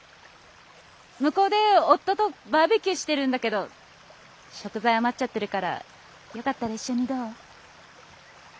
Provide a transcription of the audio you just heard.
向こうで夫とバーベキューしてるんだけど食材余っちゃってるからよかったら一緒にどう？